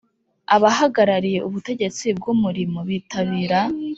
Abahagarariye ubutegetsi bw umurimo bitabira